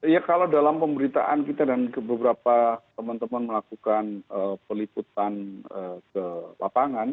ya kalau dalam pemberitaan kita dan beberapa teman teman melakukan peliputan ke lapangan